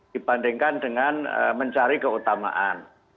dibandingkan dengan mencari keutamaan